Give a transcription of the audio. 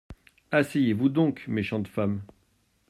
Asseyez-vous donc, méchante femme.